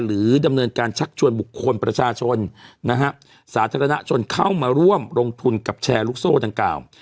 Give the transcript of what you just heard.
ดำเนินการชักชวนบุคคลประชาชนนะฮะสาธารณชนเข้ามาร่วมลงทุนกับแชร์ลูกโซ่ดังกล่าว